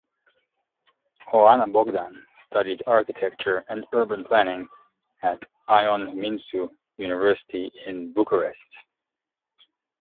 Oana Bogdan studied architecture and urban planning at Ion Mincu University in Bucharest.